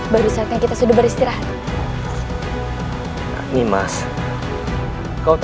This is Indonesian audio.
baru saatnya kita sudah beristirahat